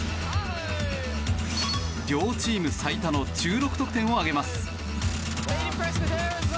両チーム最多の１６得点を挙げます。